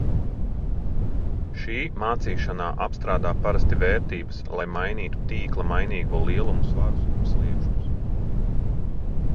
Šī mācīšanā apstrādā parasti vērtības, lai mainītu tīkla mainīgo lielumu svarus un sliekšņus.